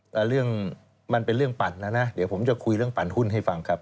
แต่เรื่องมันเป็นเรื่องปั่นนะนะเดี๋ยวผมจะคุยเรื่องปั่นหุ้นให้ฟังครับ